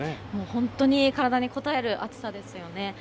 本当に体にこたえる暑さですね。